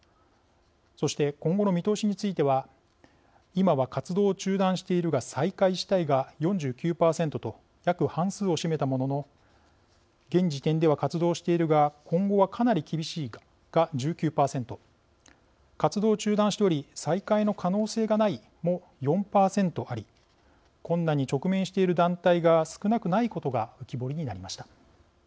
そして、今後の見通しについては今は活動を中断しているが再開したいが４９％と約半数を占めたものの現時点では活動しているが今後は、かなり厳しいが１９％活動を中断しており再開の可能性がないも４％あり困難に直面している団体が少なくないことが浮き彫りになりました。